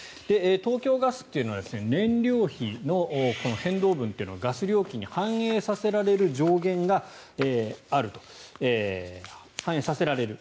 東京ガスというのは燃料費の変動分というのがガス料金に反映させられる上限があると反映させられる。